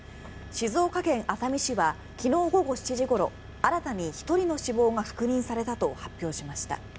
静岡県熱海市は昨日午後７時ごろ新たに１人の死亡が確認されたと発表しました。